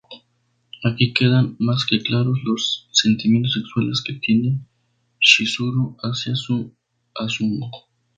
Aquí quedan más que claros los sentimientos sexuales que siente Chizuru hacia su Azumi.